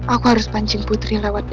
aku harus pancing putri lewat dewa